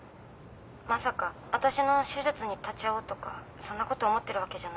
まさかわたしの手術に立ち会おうとかそんなこと思ってるわけじゃないでしょうね。